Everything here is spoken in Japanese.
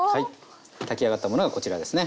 炊き上がったものがこちらですね。